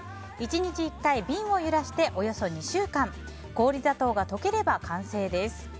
１日１回、瓶を揺らしておよそ２週間氷砂糖が溶ければ完成です。